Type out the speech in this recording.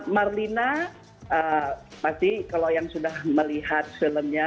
marlina pasti kalau yang sudah melihat filmnya